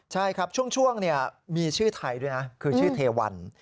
ใช่ครับช่วงมีชื่อไทยด้วยนะคือชื่อเทวัน